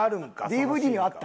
ＤＶＤにはあった？